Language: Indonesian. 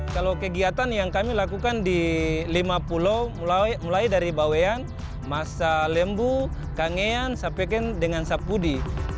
kalau kegiatan yang kami lakukan di lima pulau mulai dari bawean masa lembu kangean sampai kan dengan sapudi